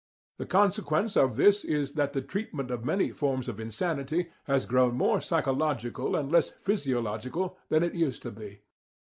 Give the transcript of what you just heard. The consequence of this is that the treatment of many forms of insanity has grown more psychological and less physiological than it used to be.